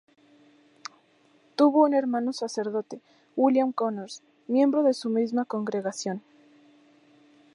Tuvo un hermano sacerdote William Connors, miembro de su misma congregación.